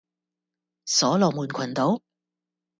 所羅門群島